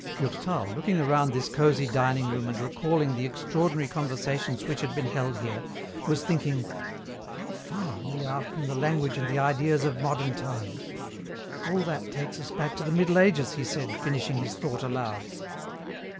Durtal, looking around this cozy dining room and recalling the extraordinary conversations which had been held here, was thinking, "How far we are from the language and the ideas of modern times. All that takes us back to the Middle Ages," he said, finishing his thought aloud.